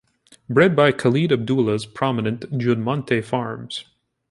Bred by Khalid Abdullah's prominent Juddmonte Farms.